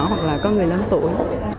hoặc là có người lớn tuổi